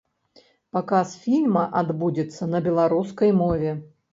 Паказ фільма адбудзецца на беларускай мове.